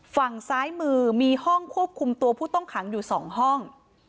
ฝั่งซ้ายมือมีห้องควบคุมตัวผู้ต้องขังอยู่๒ห้อง